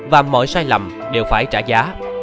và mọi sai lầm đều phải trả giá